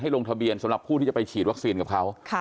ลงทะเบียนสำหรับผู้ที่จะไปฉีดวัคซีนกับเขา